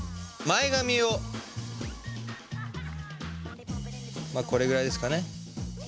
前髪をこれぐらいですかね